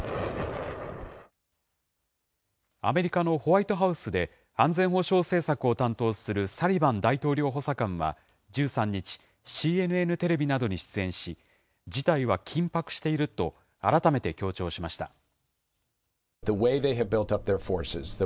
アメリカのホワイトハウスで、安全保障政策を担当するサリバン大統領補佐官は１３日、ＣＮＮテレビなどに出演し、事態は緊迫していると改めて強調しました。